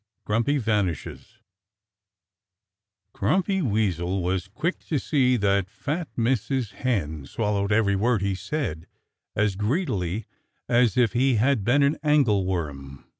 XIV GRUMPY VANISHES Grumpy Weasel was quick to see that fat Mrs. Hen swallowed every word he said as greedily as if it had been an angleworm.